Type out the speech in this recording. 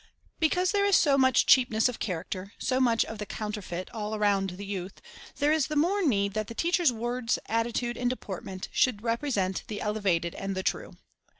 Because there is so much cheapness of character, so much of the counterfeit all around the youth, there is the more need that the teacher's words, attitude, and deportment should represent the elevated and the true.